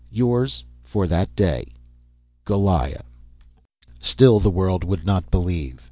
"Yours for that day, "GOLIAH." Still the world would not believe.